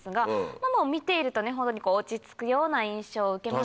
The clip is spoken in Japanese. まぁ見ていると落ち着くような印象を受けますよね。